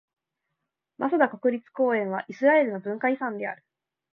マサダ国立公園はイスラエルの文化遺産である。